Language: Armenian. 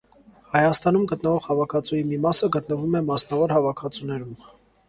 Հայաստանում գտնվող հավաքածուի մի մասը գտնվում է մասնավոր հավաքածուներում։